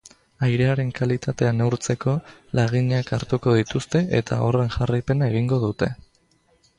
Airearen kalitatea neurtzeko laginak hartuko dituzte eta horren jarraipena egingo dute.